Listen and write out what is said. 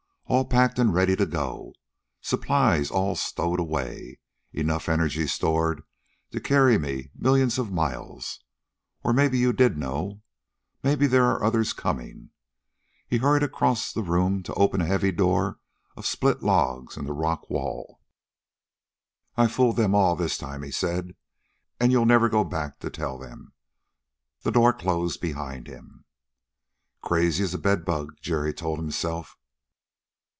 All packed and ready to go. Supplies all stowed away; enough energy stored to carry me millions of miles. Or maybe you did know maybe there are others coming...." He hurried across the room to open a heavy door of split logs in the rock wall. "I'll fool them all this time," he said; "and you'll never go back to tell them." The door closed behind him. "Crazy as a bed bug," Jerry told himself.